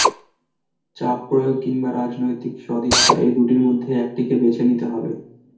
চাপ প্রয়োগ কিংবা রাজনৈতিক সদিচ্ছা—এই দুটির মধ্যে একটিকে বেছে নিতে হবে।